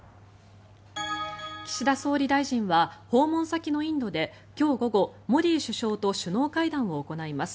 岸田総理大臣は訪問先のインドで今日午後、モディ首相と首脳会談を行います。